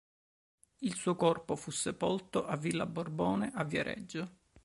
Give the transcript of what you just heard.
Il suo corpo fu sepolto a Villa Borbone a Viareggio.